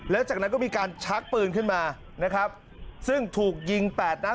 แล้วจากนั้นก็มีการชักปืนขึ้นมานะครับซึ่งถูกยิงแปดนัด